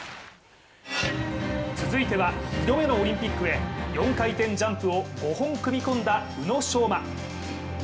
続いては２度目のオリンピックへ４回転ジャンプを５本組み込んだ宇野昌磨。